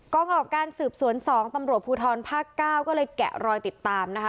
ออกการสืบสวน๒ตำรวจภูทรภาค๙ก็เลยแกะรอยติดตามนะคะ